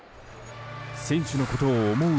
選手のことを思う